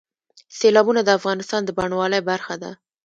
سیلابونه د افغانستان د بڼوالۍ برخه ده.